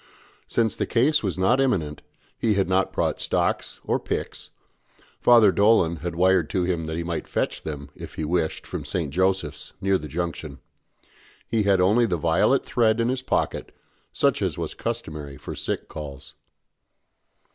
Since the case was not imminent, he had not brought stocks or pyx Father Dolan had wired to him that he might fetch them if he wished from St. Joseph's, near the Junction. He had only the violet thread in his pocket, such as was customary for sick calls.